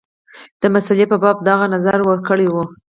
د مسلې په باب دغه نظر ورکړی وو.